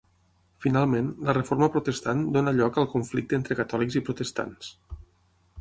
Finalment, la Reforma protestant dóna lloc al conflicte entre catòlics i protestants.